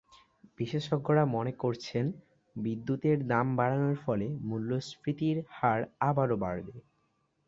বিশেষজ্ঞরা মনে করছেন, বিদ্যুতের দাম বাড়ানোর ফলে মূল্যস্ফীতির হার আবারও বাড়বে।